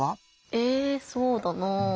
えぇそうだなぁ。